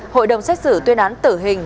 hội đồng xét xử tuyên án tử hình